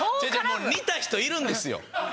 もう似た人いるんですよ。